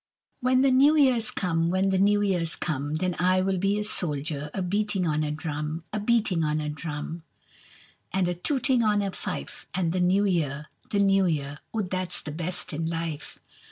WHEN the new year's come, When the new year's come, Then I will be a soldier, A beating on a drum. A beating on a drum, And a tooting on a fife: And the new year, the new year Oh, that's the best in life.